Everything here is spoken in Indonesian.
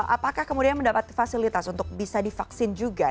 apakah kemudian mendapat fasilitas untuk bisa divaksin juga